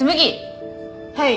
はい。